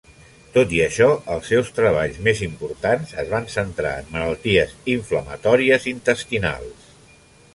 Tot i això, els seus treballs més importants es van centrar en malalties inflamatòries intestinals.